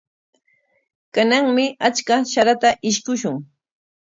Kananmi achka sarata ishkushun.